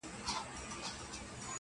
کشکي ټول وجود مي یو شان ښکارېدلای -